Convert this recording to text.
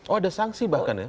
oh ada sanksi bahkan ya